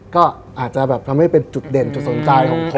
ก็อาจจะแบบทำให้เป็นจุดเด่นจุดสนใจของคน